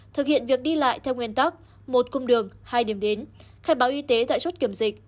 thực hiện việc đi lại theo nguyên tắc một cung đường hai điểm đến khai báo y tế tại chốt kiểm dịch